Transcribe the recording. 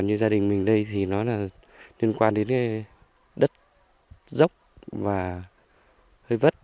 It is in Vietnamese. như gia đình mình đây thì nó là liên quan đến đất dốc và hơi vất